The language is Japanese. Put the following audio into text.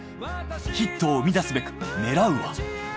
ヒットを生み出すべく狙うは。